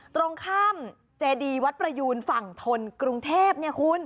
ตรงข้ามเจดีวัดประยูนฝั่งทนกรุงเทพเนี่ยคุณ